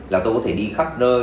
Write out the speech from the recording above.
là tôi có thể đi khắp nơi